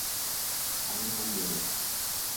alimaniere